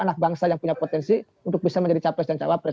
anak bangsa yang punya potensi untuk bisa menjadi capres dan cawapres